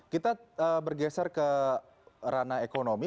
kita bergeser ke ranah ekonomi